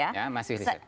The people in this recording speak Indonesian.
ya masih reset